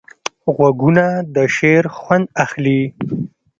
غوږونه د شعر خوند اخلي